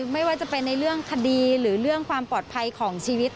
ไม่ว่าจะเป็นในเรื่องคดีหรือเรื่องความปลอดภัยของชีวิต